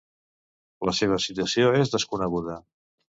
La seva situació és desconeguda.